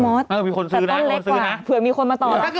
เห้ยเลี้ยงต่อ